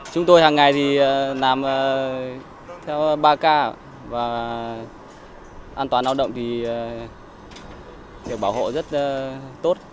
chúng tôi hàng ngày làm theo ba k và an toàn áo động thì được bảo hộ rất tốt